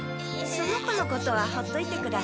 その子のことはほっといてください。